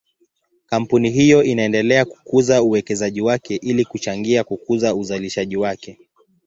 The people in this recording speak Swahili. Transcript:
Kampuni hiyo inaendelea kukuza uwekezaji wake ili kuchangia kukuza uzalishaji wake.